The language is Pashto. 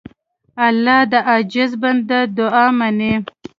الله د عاجز بنده دعا منې.